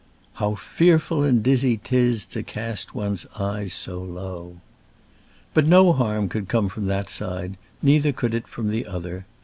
How fearful And dizzy 'tis to cast one's eyes so low !" But no harm could come from that side — neither could it from the other.